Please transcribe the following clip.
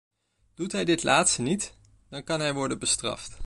Doet hij dit laatste niet, dan kan hij worden bestraft.